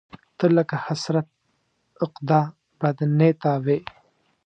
ته لکه حسرت، عقده، بدنيته وې